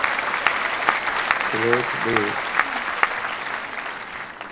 پليٽ ڏي